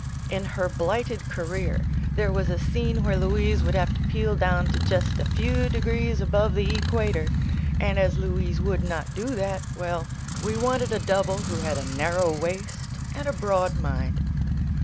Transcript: In "Her Blighted Career" there was a scene where Louise would have to peel down to just a few degrees above the equator, and as Louise would not do that — well, we wanted a double who had a narrow waist and a broatl mind.